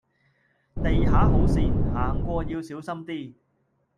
地下好跣，行過要小心啲